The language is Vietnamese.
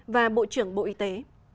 và bộ trưởng bộ y tế